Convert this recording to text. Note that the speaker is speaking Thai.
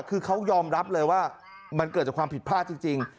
คือเขายอมรับเลยว่ามันเกิดจากความผิดพลาดจริง